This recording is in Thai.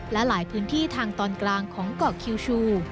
และหลายพื้นที่ทางตอนกลางของเกาะคิวชู